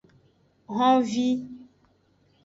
Honvi.